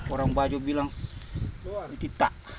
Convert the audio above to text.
orang baju bilang titak